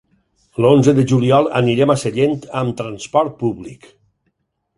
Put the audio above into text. L'onze de juliol anirem a Sellent amb transport públic.